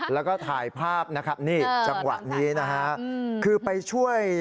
แล้วก็ถ่ายภาพนะครับนี่จังหวะนี้นะฮะคือไปช่วย